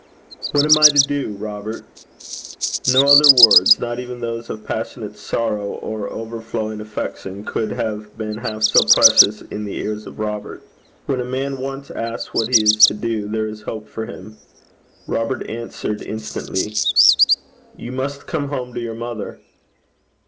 'What am I to do, Robert?' No other words, not even those of passionate sorrow, or overflowing affection, could have been half so precious in the ears of Robert. When a man once asks what he is to do, there is hope for him. Robert answered instantly, 'You must come home to your mother.'